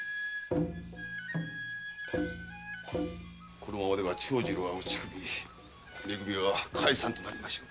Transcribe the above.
このままでは長次郎は打ち首め組は解散となりましょう。